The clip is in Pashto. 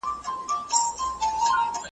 چا راته ویلي وه چي خدای دي ځوانیمرګ مه که ,